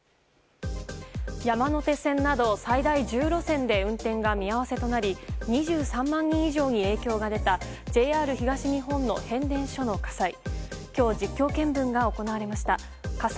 山手線など最大１０路線で運転が見合わせとなり２３万人以上に影響が出たＪＲ東日本の変電所の火災。